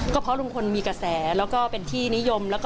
เครือมีประวัติธรรมแรกที่เข้ามา